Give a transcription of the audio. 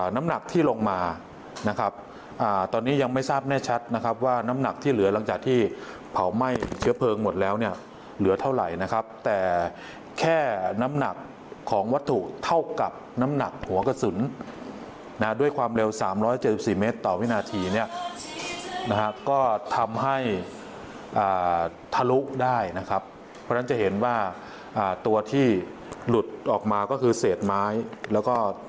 น้ำหนักที่ลงมานะครับตอนนี้ยังไม่ทราบแน่ชัดนะครับว่าน้ำหนักที่เหลือหลังจากที่เผาไหม้เชื้อเพลิงหมดแล้วเนี่ยเหลือเท่าไหร่นะครับแต่แค่น้ำหนักของวัตถุเท่ากับน้ำหนักหัวกระสุนนะด้วยความเร็ว๓๗๔เมตรต่อวินาทีเนี่ยนะฮะก็ทำให้ทะลุได้นะครับเพราะฉะนั้นจะเห็นว่าตัวที่หลุดออกมาก็คือเศษไม้แล้วก็